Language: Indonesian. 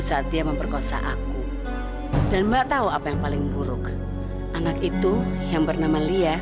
sampaikan sama kamu